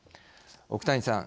奥谷さん。